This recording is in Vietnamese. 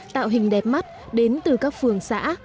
tạo hình đẹp mắt đến từ các phường xã